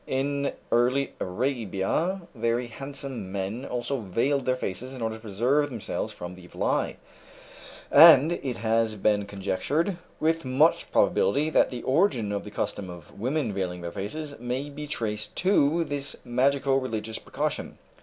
In early Arabia very handsome men also veiled their faces, in order to preserve themselves from the evil eye, and it has been conjectured with much probability that the origin of the custom of women veiling their faces may be traced to this magico religious precaution.